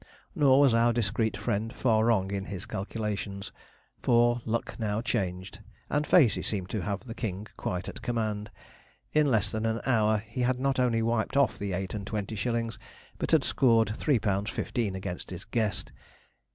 Nor was our discreet friend far wrong in his calculations, for luck now changed, and Facey seemed to have the king quite at command. In less than an hour he had not only wiped off the eight and twenty shillings, but had scored three pound fifteen against his guest.